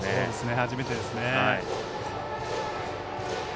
初めてですね。